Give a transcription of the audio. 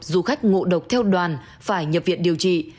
du khách ngộ độc theo đoàn phải nhập viện điều trị